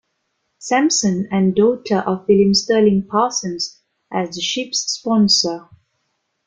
Sampson and daughter of William Sterling Parsons, as the ship's sponsor.